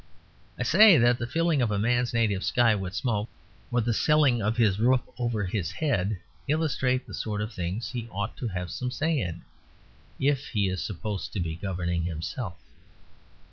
I say that the filling of a man's native sky with smoke or the selling of his roof over his head illustrate the sort of things he ought to have some say in, if he is supposed to be governing himself.